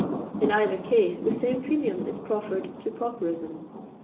In either case the same premiom is proffered to pauperism.